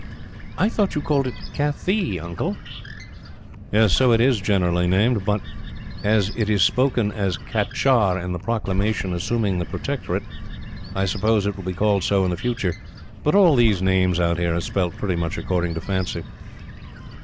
"I thought you called it Kathee, uncle?" "So it is generally named but, as it is spoken of as Cachar in the proclamation assuming the protectorate, I suppose it will be called so in future; but all these names, out here, are spelt pretty much according to fancy."